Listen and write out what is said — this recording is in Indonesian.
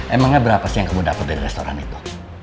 emangnya berapa sih yang kamu dapat dari restoran itu